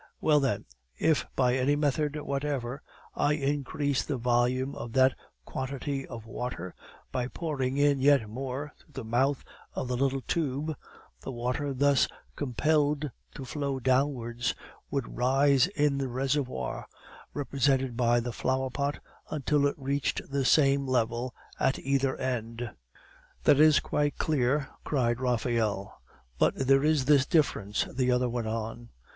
"Well, then, if by any method whatever I increase the volume of that quantity of water by pouring in yet more through the mouth of the little tube; the water thus compelled to flow downwards would rise in the reservoir, represented by the flower pot, until it reached the same level at either end." "That is quite clear," cried Raphael. "But there is this difference," the other went on.